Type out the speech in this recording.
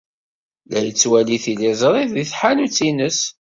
La yettwali tiliẓri deg tḥanut-nnes.